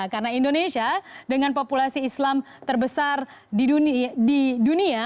karena indonesia dengan populasi islam terbesar di dunia